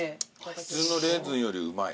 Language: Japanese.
普通のレーズンよりうまい。